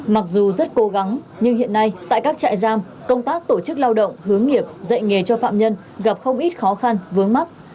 mặc dù rất cố gắng nhưng hiện nay tại các trại giam công tác tổ chức lao động hướng nghiệp dạy nghề cho phạm nhân gặp không ít khó khăn vướng mắt